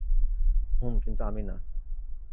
হুম, কিন্তু আমি না।